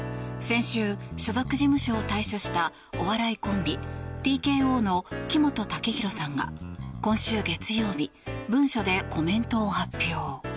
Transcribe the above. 先週、所属事務所を退所したお笑いコンビＴＫＯの木本武宏さんが今週月曜日文書でコメントを発表。